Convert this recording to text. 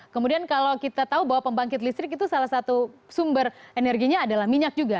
kemudian kalau kita tahu bahwa pembangkit listrik itu salah satu sumber energinya adalah minyak juga